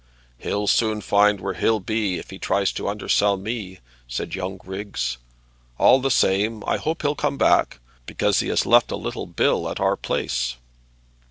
"He'll soon find where he'll be if he tries to undersell me," said young Griggs. "All the same, I hope he'll come back, because he has left a little bill at our place."